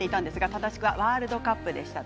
正しくはワールドカップでした。